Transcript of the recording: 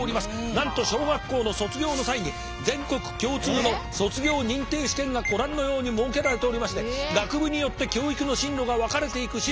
なんと小学校の卒業の際に全国共通の卒業認定試験がご覧のように設けられておりまして学部によって教育の進路が分かれていくシステムだ。